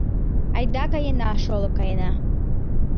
Айда каена, шоло, каена!